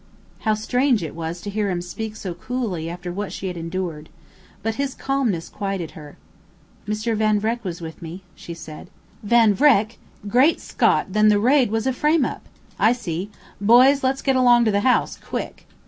How strange it was to hear him speak so coolly after what she had endured! But his calmness quieted her. "Mr. Van Vreck was with me," she said. "Van Vreck! Great Scott, then the raid was a frameup! I see. Boys, let's get along to the house quick."